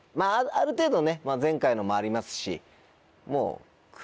ある程度前回のもありますし。